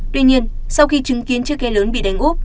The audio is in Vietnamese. tuy nhiên sau khi chứng kiến chiếc ke lớn bị đánh úp